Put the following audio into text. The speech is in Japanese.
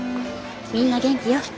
みんな元気よ。